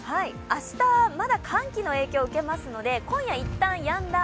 明日、まだ寒気の影響を受けますので、今夜一旦やんだ